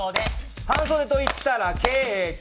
半袖といったらケーキ。